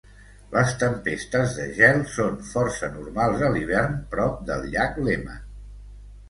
Les tempestes de gel són força normals a l'hivern prop del llac Léman.